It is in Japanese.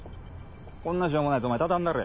こんなしょうもないヤツお前たたんだれ。